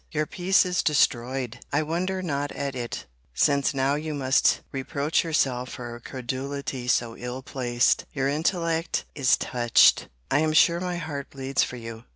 Your peace is destroyed!—I wonder not at it: since now you must reproach yourself for a credulity so ill placed. Your intellect is touched!—I am sure my heart bleeds for you!